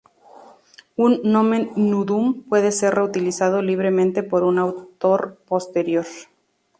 Un "nomen nudum" puede ser reutilizado libremente por un autor posterior.